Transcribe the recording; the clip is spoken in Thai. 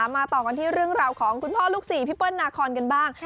มาต่อกันที่เรื่องราวของคุณพ่อลูกสี่พี่เปิ้ลนาคอนกันบ้าง